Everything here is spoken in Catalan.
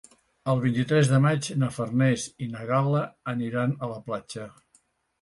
El vint-i-tres de maig na Farners i na Gal·la aniran a la platja.